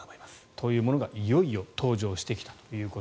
というものがいよいよ登場してきたと。